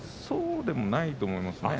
そうでもないと思います。